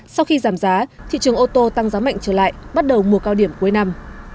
sau khi giảm giá thị trường ô tô tăng giá mạnh trở lại bắt đầu mùa cao điểm cuối năm